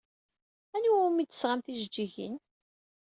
Anwa umi d-tesɣam tijeǧǧigin?